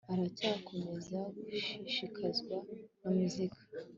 Aracyakomeza gushishikazwa na muzika